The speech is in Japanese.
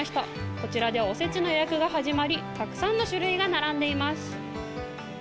こちらではおせちの予約が始まり、たくさんの種類が並んでいます。